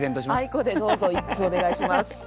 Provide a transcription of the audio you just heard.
アイコでどうぞ一句お願いします。